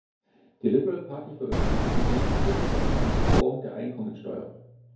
Die Liberal Party veröffentlichte ihre Ideen und Vorschläge zu einer Reform der Einkommensteuer.